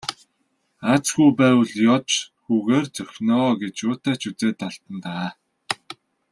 Аз хүү байвал ёоз хүүгээр цохино оо гэж юутай ч үзээд алдана даа.